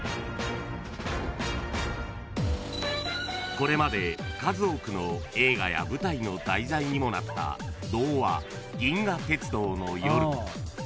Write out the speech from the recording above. ［これまで数多くの映画や舞台の題材にもなった童話『銀河鉄道の夜』］